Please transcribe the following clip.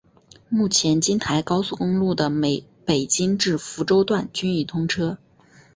目前京台高速公路的北京至福州段均已通车。